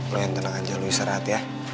lo yang tenang aja lo istirahat ya